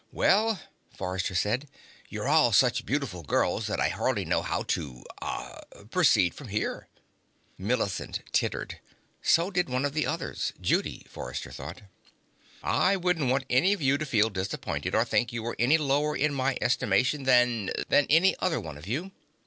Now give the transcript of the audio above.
"Well," Forrester said. "You're all such beautiful girls that I hardly know how to ah proceed from here." Millicent tittered. So did one of the others Judy, Forrester thought. "I wouldn't want any of you to feel disappointed, or think you were any lower in my estimation than than any other one of you."